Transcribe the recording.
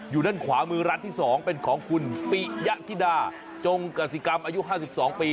อยู่ด้านขวามือร้านที่๒เป็นของคุณปิยะธิดาจงกสิกรรมอายุ๕๒ปี